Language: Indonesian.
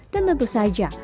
dan tentu saja